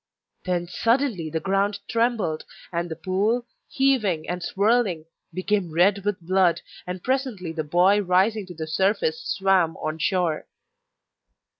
Then suddenly the ground trembled, and the pool, heaving and swirling, became red with blood, and presently the boy rising to the surface swam on shore.